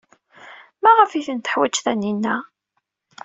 Maɣef ay tent-teḥwaj Taninna?